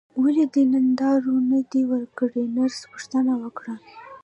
ولې دې نن دارو نه دي ورکړي نرس پوښتنه وکړه.